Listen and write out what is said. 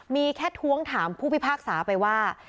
มีแค่ท้วงถามผู้พิพากษาไปว่า